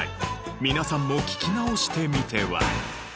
皆さんも聴き直してみては？